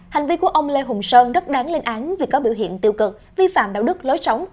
hành vi của ông lê hùng sơn rất đáng lên án vì có biểu hiện tiêu cực vi phạm đạo đức lối sống